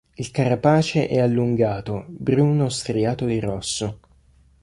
Il carapace è allungato, bruno striato di rosso.